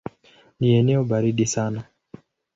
Ni eneo baridi sana.